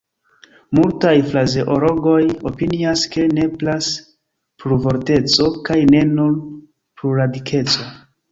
Multaj frazeologoj opinias, ke nepras plurvorteco kaj ne nur plurradikeco.